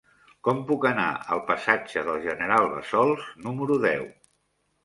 Com puc anar al passatge del General Bassols número deu?